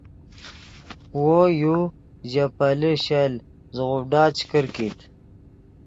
وو یو ژے پیلے شل زوغوڤڈا چے کرکیت